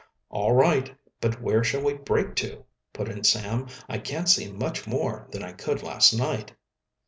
"All right; but where shall we break to?" put in Sam. "I can't see much more than I could last night."